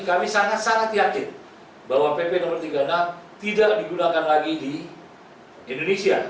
kami sangat sangat yakin bahwa pp no tiga puluh enam tidak digunakan lagi di indonesia